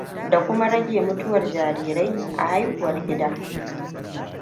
Da kuma rage mutuwar jarirai a haihuwar gida.